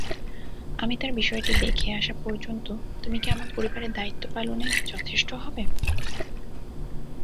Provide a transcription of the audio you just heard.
আমি তার বিষয়টি দেখে আসা পর্যন্ত তুমি কি আমার পরিবারের দায়িত্ব পালনে যথেষ্ট হবে?